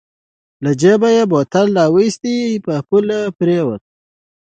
له جېبه يې بوتل واېست په پوله پرېوت.